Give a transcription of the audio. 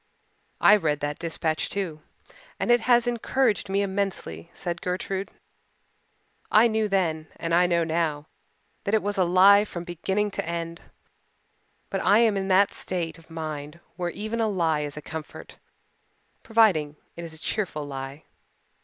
"I read that dispatch, too, and it has encouraged me immensely," said Gertrude. "I knew then and I know now that it was a lie from beginning to end. But I am in that state of mind where even a lie is a comfort, providing it is a cheerful lie."